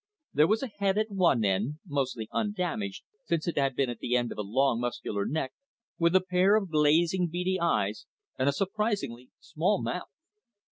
There was a head at one end, mostly undamaged since it had been at the end of a long muscular neck, with a pair of glazing beady eyes and a surprisingly small mouth.